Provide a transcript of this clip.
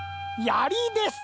やりです！